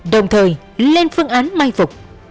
đồng thời lên phương án may phục